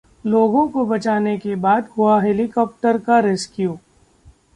लोगों को बचाने के बाद हुआ हेलिकॉप्टर का रेस्क्यू